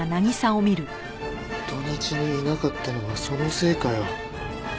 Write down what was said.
土日にいなかったのはそのせいかよ。